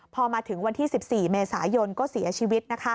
พอมาถึงวันที่๑๔เมษายนก็เสียชีวิต